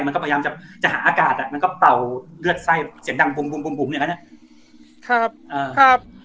มันก็พยายามจะจะหาอากาศอ่ะมันก็เป่าเลือดไส้เสียงดังบุ้มบุ้มบุ้มบุ้มเนี้ยนะครับครับ